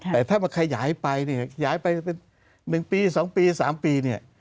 แต่ถ้ามันขยายไป๑๓ปี